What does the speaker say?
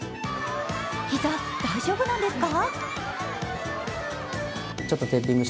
膝、大丈夫なんですか？